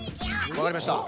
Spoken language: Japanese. わかりました。